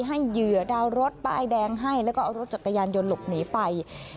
เหยื่อดาวรถป้ายแดงให้แล้วก็เอารถจักรยานยนต์หลบหนีไป